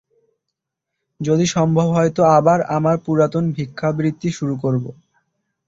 যদি সম্ভব হয় তো আবার আমার পুরাতন ভিক্ষাবৃত্তি শুরু করব।